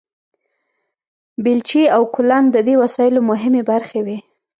بیلچې او کلنګ د دې وسایلو مهمې برخې وې.